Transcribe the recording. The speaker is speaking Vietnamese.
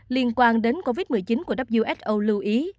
liên quan đến covid một mươi chín của who lưu ý